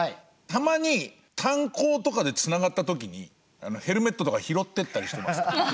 たまに炭鉱とかでつながった時にヘルメットとか拾ってったりしてますから。